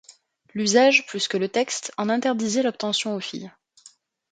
L'usage plus que les textes en interdisait l'obtention aux filles.